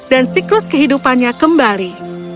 dan siklus kehidupannya kembali